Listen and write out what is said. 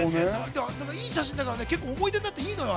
いい写真だから結構、思い出になっていいのよ。